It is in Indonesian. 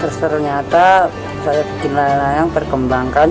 terus ternyata saya bikin layang layang perkembangkan